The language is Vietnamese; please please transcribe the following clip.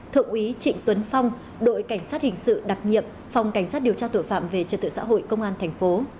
thượng úy trịnh tuấn phong đội cảnh sát hình sự đặc nhiệm phòng cảnh sát điều tra tội phạm về trật tự xã hội công an thành phố